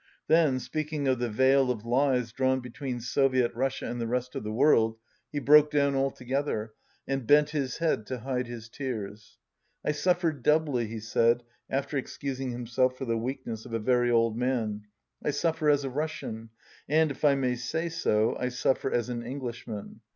Then, speaking of the veil of lies drawn between Soviet Russia and the rest of the world, he broke down altogether, and benit his head to hide his tears. "I suifer doubly," he said, after excusing him self for the weakness of a very old man. "I suffer as a Russian, and, if I may say so, I suffer as an Englishman.